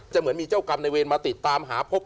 เหมือนมีเจ้ากรรมในเวรมาติดตามหาพบ